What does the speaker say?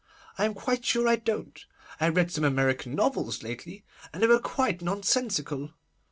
I am quite sure I don't. I read some American novels lately, and they were quite nonsensical.